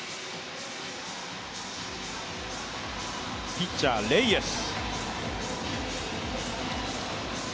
ピッチャー、レイエス。